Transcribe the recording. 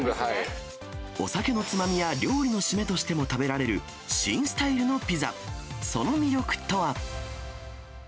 お酒のつまみや料理の締めとしても食べられる、新スタイルのピザ、その魅力とは。